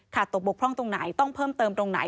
ตกบกพร่องตรงไหนต้องเพิ่มเติมตรงไหน